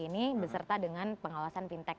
ini beserta dengan pengawasan fintech